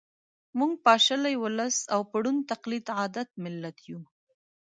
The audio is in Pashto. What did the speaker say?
که پاشلی ولس او په ړوند تقلید عادت ملت یو